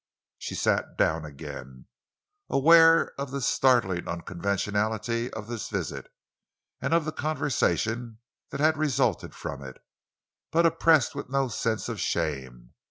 She sat down again, aware of the startling unconventionality of this visit and of the conversation that had resulted from it, but oppressed with no sense of shame.